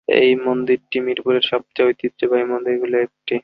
এই মন্দিরটি মিরপুরের সবচেয়ে ঐতিহ্যবাহী মন্দিরগুলির একটি।